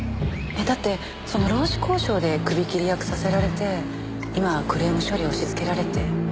だってその労使交渉で首切り役させられて今はクレーム処理を押しつけられて。